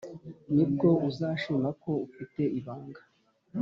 nibwo uzashima ko ufite ibanga